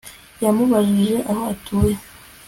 yamubajije aho atuye